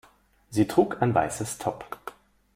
Sie trug ein weißes Top.